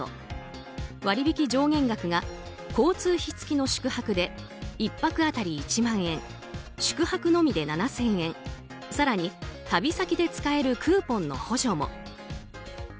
割引上限額が交通費付きの宿泊で１泊当たり１万円宿泊のみで７０００円更に旅先で使えるクーポンの補助も。